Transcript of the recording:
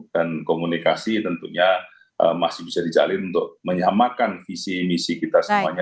dan komunikasi tentunya masih bisa dijalin untuk menyamakan visi visi kita semuanya